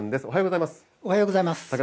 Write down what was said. おはようございます。